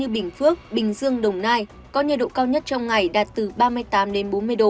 bình dương đồng nai có nhiệt độ cao nhất trong ngày đạt từ ba mươi tám bốn mươi độ